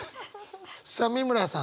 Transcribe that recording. さあ美村さん